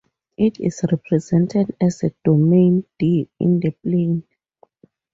It is represented as a domain "D" in the plane.